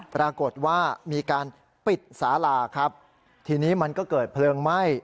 ปรากฏว่ามีการปิดสาลาครับทีนี้มันก็เกิดเพลิงไหม้